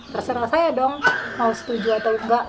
terserah saya dong mau setuju atau enggak